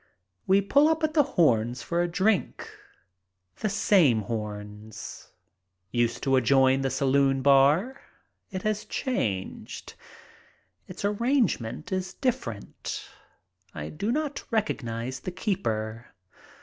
We pull up at the Horns for a drink. The same Horns. Used to adjoin the saloon bar. It has changed. Its arrange ment is different. I do not recognize the keeper.